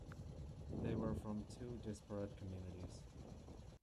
They were from two disparate communities.